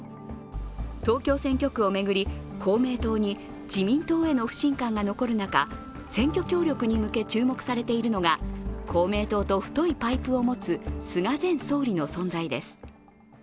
東京選挙区を巡り、公明党に自民党への不信感が残る中、選挙協力に向け注目されているのが、公明党と太いパイプを持つ菅前総理の存在です。